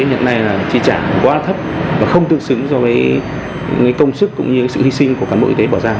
hiện nay trị trả quá thấp và không tương xứng với công sức cũng như sự hy sinh của cán bộ y tế bỏ ra